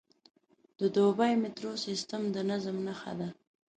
د دوبی میټرو سیستم د نظم نښه ده.